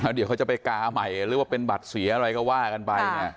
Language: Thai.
เดี๋ยวเขาจะไปกาใหม่หรือว่าเป็นบัตรเสียอะไรก็ว่ากันไป